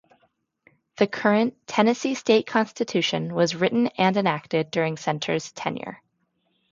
The current Tennessee State Constitution was written and enacted during Senter's tenure.